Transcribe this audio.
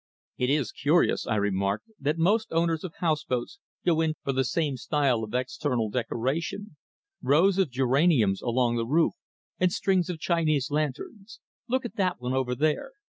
"It is curious," I remarked, "that most owners of house boats go in for the same style of external decoration rows of geraniums along the roof, and strings of Chinese lanterns look at that one over there."